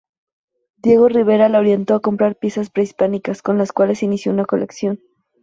Diego Rivera la orientó a comprar piezas prehispánicas, con las cuales inició una colección.